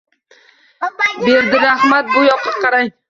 – Berdirahmat, bu yoqqa qarang.